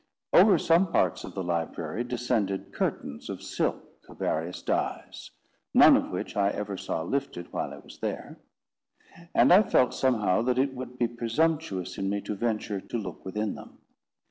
Over some parts of the library, descended curtains of silk of various dyes, none of which I ever saw lifted while I was there; and I felt somehow that it would be presumptuous in me to venture to look within them.